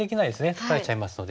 取られちゃいますので。